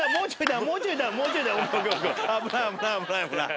危ない危ない。